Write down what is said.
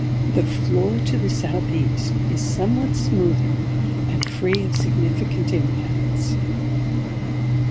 The floor to the southeast is somewhat smoother and free of significant impacts.